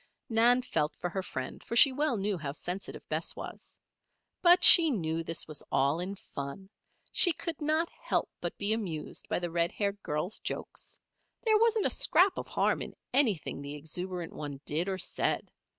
Nan felt for her friend, for she well knew how sensitive Bess was. But she knew this was all in fun. She could not help but be amused by the red haired girl's jokes. There wasn't a scrap of harm in anything the exuberant one did or said.